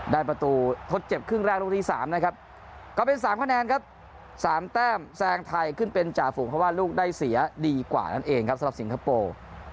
ได้ประตูทดเจ็บครึ่งแรกลูกที่๓นะครับก็เป็น๓คะแนนครับ๓แต้มแซงไทยขึ้นเป็นจ่าฝูงเพราะว่าลูกได้เสียดีกว่านั่นเองครับสำหรับสิงคโปร์